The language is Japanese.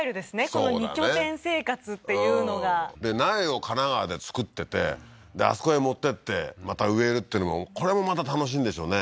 この２拠点生活っていうのがで苗を神奈川で作っててあそこへ持ってってまた植えるっていうのもこれもまた楽しいんでしょうね